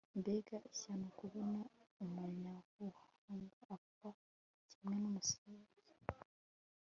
mbega ishyano kubona umunyabuhanga apfa kimwe n'umusazi